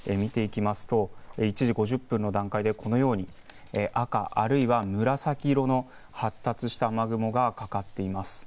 １時５０分の段階で、このように赤、あるいは紫色の発達した雨雲がかかっています。